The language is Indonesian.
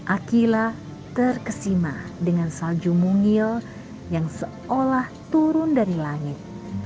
akila terkesima dengan salju mungil yang seolah turun dari langit